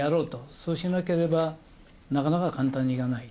そうしなければ、なかなか簡単にいかない。